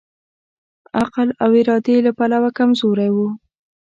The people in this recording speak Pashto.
عقل او ارادې له پلوه کمزوری وو.